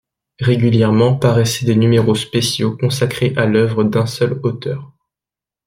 Régulièrement paraissaient des numéros spéciaux consacrés à l'œuvre d'un seul auteur.